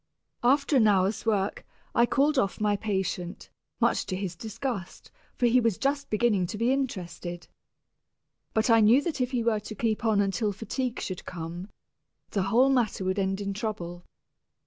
After an hour's work, I called off my patient, much to his disgust, for he was just beginning to be interested. But I knew that if he were to keep on until fatigue should come, the whole matter would end in trouble.